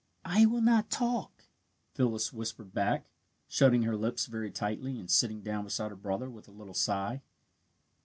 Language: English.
"I will not talk," Phyllis whispered back, shutting her lips very tightly and sitting down beside her brother with a little sigh.